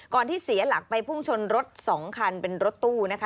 ที่เสียหลักไปพุ่งชนรถสองคันเป็นรถตู้นะคะ